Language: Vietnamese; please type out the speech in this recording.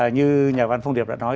như nhà văn phong điệp đã nói